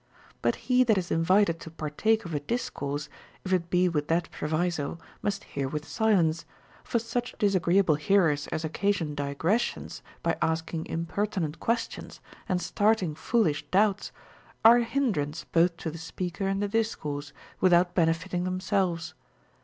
But he that is invited to partake of a discourse, if it be with that proviso, must hear with silence ; for such disagreeable hearers as occasion digres sions by asking impertinent questions and starting foolish doubts are an hindrance both to the speaker and the dis course, without benefiting themselves.